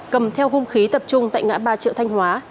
cầm theo hung khí tập trung tại ngã ba triệu thanh hóa